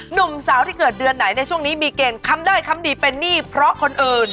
หนุ่มสาวที่เกิดเดือนไหนในช่วงนี้มีเกณฑ์คำได้คำดีเป็นหนี้เพราะคนอื่น